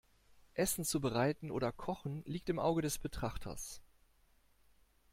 Essen zubereiten oder kochen liegt im Auge des Betrachters.